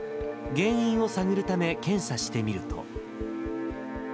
原因を探るため検査してみると。